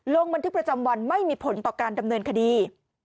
ลงบันทึกประจำวันไม่มีผลต่อการดำเนินคดี